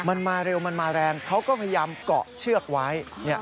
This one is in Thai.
มันมาเร็วมันมาแรงเขาก็พยายามเกาะเชือกไว้